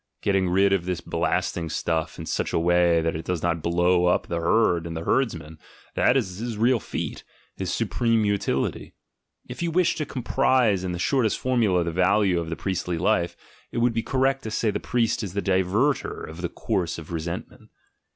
Getting rid of this blasting stuff in such a way that it does not blow up the herd and the herdsman, that is his real feat, his supreme utility; if you wish to comprise in the shortest formula the value of the priestly life, it would be correct to say the priest is the diverter of the course 0} resentment.